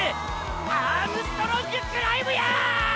アームストロングクライムや！